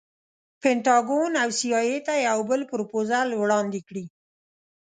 پنټاګون او سي ای اې ته یو بل پروفوزل وړاندې کړي.